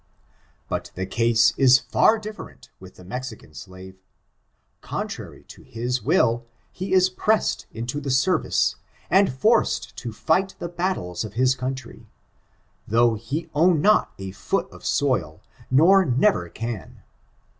But the case is far diflferent with the Mexican slave. Contrary to his will he is pressed into the service and forced to fight the battles of his country, though he own not a foot of soil, nor never can.